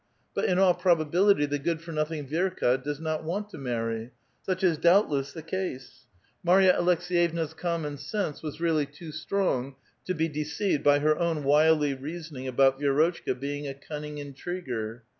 But, in all probability, the good for nothing Vi6rka does not want to marry ; such is doubtless the case. Marj^a Aleks(f'yevna's coumion sense was really too strong to be deceived by her own wily reasoning about Vi^rotchka being a cunning intriguer.